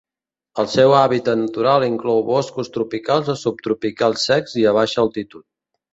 El seu hàbitat natural inclou boscos tropicals o subtropicals secs i a baixa altitud.